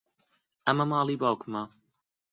ئەمە ماڵی باوکمە.